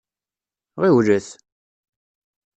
Ɣiwlet!